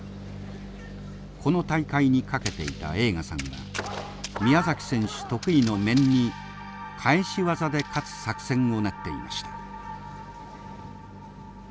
この大会に懸けていた栄花さんは宮崎選手得意の面に返し技で勝つ作戦を練っていました。